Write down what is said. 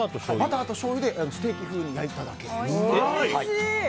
バターとしょうゆでステーキ風に焼いただけです。